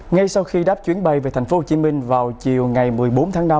ngay sau khi đáp chuyến bay về thành phố hồ chí minh vào chiều ngày một mươi bốn tháng năm